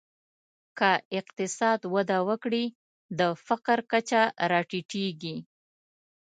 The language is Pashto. که اقتصاد وده وکړي، د فقر کچه راټیټېږي.